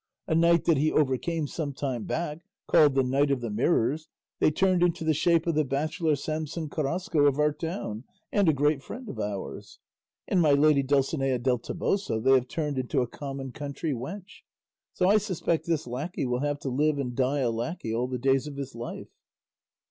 A knight that he overcame some time back, called the Knight of the Mirrors, they turned into the shape of the bachelor Samson Carrasco of our town and a great friend of ours; and my lady Dulcinea del Toboso they have turned into a common country wench; so I suspect this lacquey will have to live and die a lacquey all the days of his life."